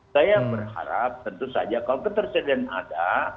saya berharap tentu saja kalau ketersediaan ada